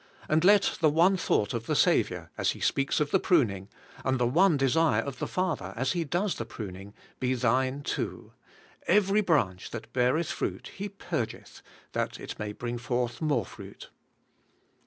And let the one thought of the Saviour, as He speaks of the pruning, and the one desire of the Father, as He does the pruning, be thine too: *Every branch that beareth fruit, He purgeth, that it may bring forth more fruit.'